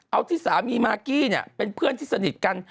เอาที่สามีมากกี้เนี่ยเป็นเพื่อนที่สนิทกัน